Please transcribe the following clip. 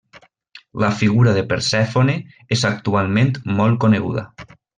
La figura de Persèfone és actualment molt coneguda.